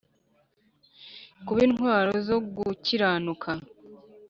kuba intwaro zo gukiranuka